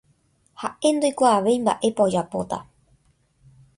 ha'e ndoikuaavéi mba'épa ojapóta